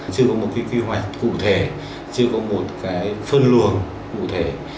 chưa có một kế hoạch cụ thể chưa có một phân luồng cụ thể